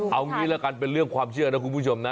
เอางี้ละกันเป็นเรื่องความเชื่อนะคุณผู้ชมนะ